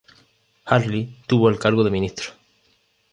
Harley tuvo el cargo de ministro.